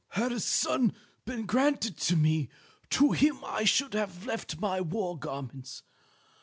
"Had a son been granted to me, to him I should have left my war garments.